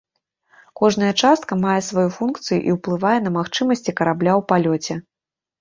Кожная частка мае сваю функцыю і ўплывае на магчымасці карабля ў палёце.